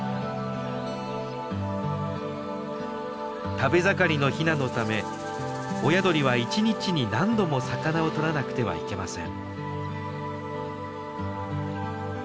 食べ盛りのヒナのため親鳥は１日に何度も魚を捕らなくてはいけません。